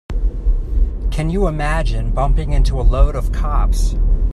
Can you imagine bumping into a load of cops?